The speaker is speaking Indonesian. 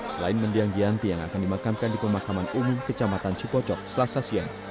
selain mendiang gianti yang akan dimakamkan di pemakaman umum kecamatan cipocok selasa siang